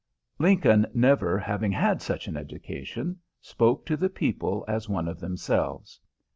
Lincoln, never having had such an education, spoke to the people as one of themselves.